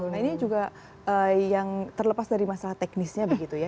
nah ini juga yang terlepas dari masalah teknisnya begitu ya